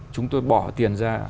chúng tôi bỏ tiền ra